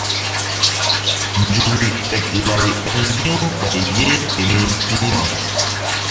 Nzukri ɓeɓ lari ɓa ŋgi̧-u ɓay yeh keni pihna.